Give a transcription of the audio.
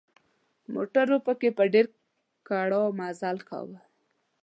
موټرو پکې په ډېر کړاو مزل کاوه.